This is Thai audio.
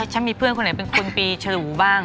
ฉันมีเพื่อนคนไหนเป็นคุณปีฉลูบ้าง